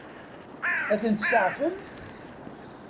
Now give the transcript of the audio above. Ad ten-tseɛfem?